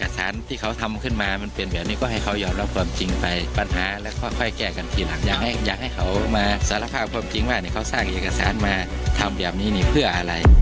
สารภาพความจริงมากนี่เขาสร้างเอกสารมาทำแบบนี้นี่เพื่ออะไร